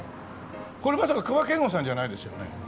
これまさか隈研吾さんじゃないですよね？